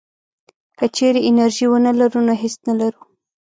که چېرې انرژي ونه لرو نو هېڅ نه لرو.